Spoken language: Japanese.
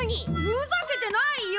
ふざけてないよ！